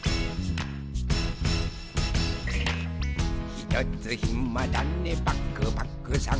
「ひとつひまだねパクパクさん」